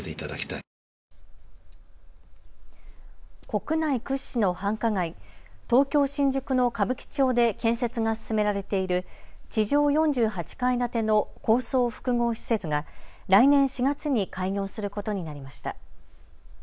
国内屈指の繁華街、東京新宿の歌舞伎町で建設が進められている地上４８階建ての高層複合施設が来年４月に開業することになりました。